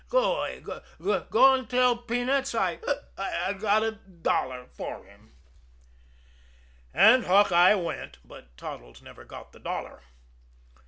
Go 'way! Go an' tell peanuts I hic! got a dollar for him." And Hawkeye went but Toddles never got the dollar.